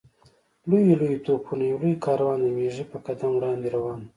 لویو لویو توپونو یو لوی کاروان د مېږي په قدم وړاندې روان و.